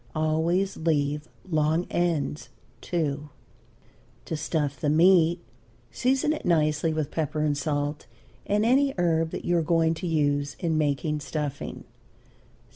Always leave long ends too. To stuff the meat, season it nicely with pepper and salt and any herb that you are going to use in making stuffing.